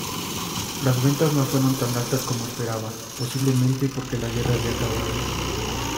Las ventas no fueron tan altas como esperaba, posiblemente porque la guerra había acabado.